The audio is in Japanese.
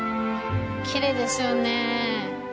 きれいですよね。